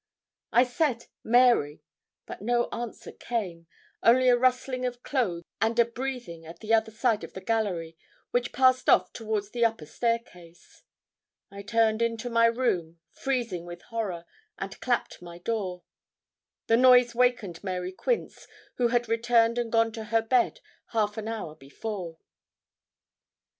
I said, 'Mary,' but no answer came, only a rustling of clothes and a breathing at the other side of the gallery, which passed off towards the upper staircase. I turned into my room, freezing with horror, and clapt my door. The noise wakened Mary Quince, who had returned and gone to her bed half an hour before.